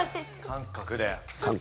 感覚で。